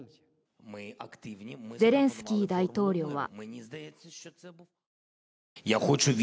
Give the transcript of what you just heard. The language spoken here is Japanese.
ゼレンスキー大統領は。